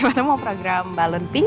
gimana mau program balon pink